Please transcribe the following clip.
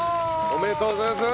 おめでとうございます。